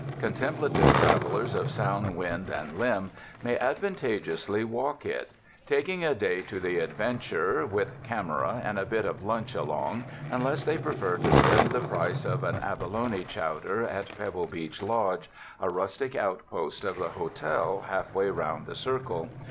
Contemplative travelers of sound wind and limb, may advantageously walk it, taking a day to the adventure, with camera and a bit of lunch along, unless they prefer to spend the price of an abalone chowder at Pebble Beach Lodge, a rustic outpost of the hotel half way round the cir cle.